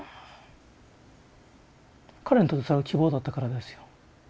彼らにとってそれは希望だったからですよ。